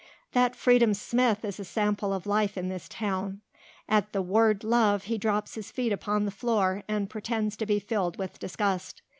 "That Freedom Smith is a sample of life in this town. At the word love he drops his feet upon the floor and pretends to be filled with disgust.